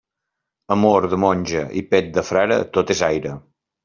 Amor de monja i pet de frare, tot és aire.